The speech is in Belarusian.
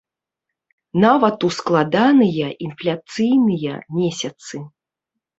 Нават у складаныя інфляцыйныя месяцы.